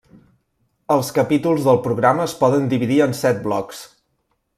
Els capítols del programa es poden dividir en set blocs.